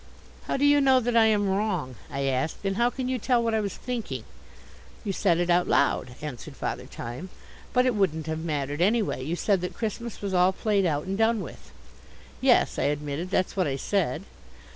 "How do you know that I am wrong?" I asked. "And how can you tell what I was thinking?" "You said it out loud," answered Father Time. "But it wouldn't have mattered, anyway. You said that Christmas was all played out and done with." "Yes," I admitted, "that's what I said."